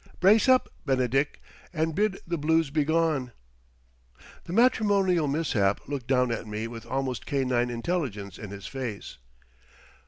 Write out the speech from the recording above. Brace up, Benedick, and bid the blues begone." The matrimonial mishap looked down at me with almost canine intelligence in his face.